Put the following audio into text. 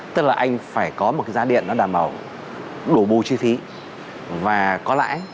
tức là anh phải có một cái giá điện nó đảm bảo đủ bù chi phí và có lẽ